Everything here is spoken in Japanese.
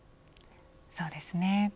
そうですね。